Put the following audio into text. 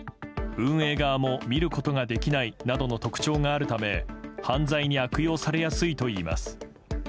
運営側も見ることができないなどの特徴があるため犯罪に悪用されやすいといいます。